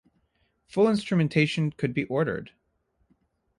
Full instrumentation could be ordered.